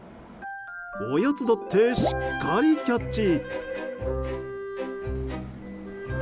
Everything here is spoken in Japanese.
おやつだってしっかりキャッチ。